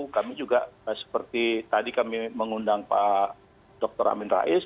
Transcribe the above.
kami juga seperti tadi kami mengundang pak dr amin rais